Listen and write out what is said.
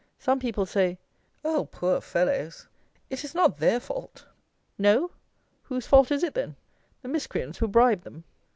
Some people say, "O, poor fellows! It is not their fault." No? Whose fault is it, then? The miscreants who bribe them?